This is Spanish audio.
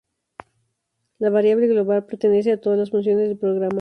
La variable global pertenece a todas las funciones del programa.